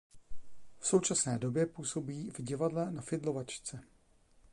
V současné době působí v Divadle Na Fidlovačce.